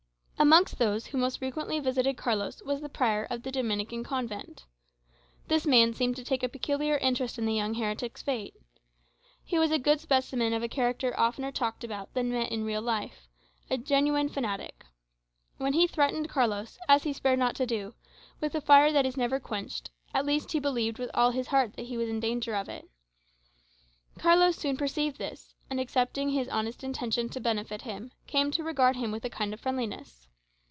Amongst those who most frequently visited Carlos was the prior of the Dominican convent. This man seemed to take a peculiar interest in the young heretic's fate. He was a good specimen of a character oftener talked about than met with in real life, the genuine fanatic. When he threatened Carlos, as he spared not to do, with the fire that is never quenched, at least he believed with all his heart that he was in danger of it. Carlos soon perceived this, and accepting his honest intention to benefit him, came to regard him with a kind of friendliness.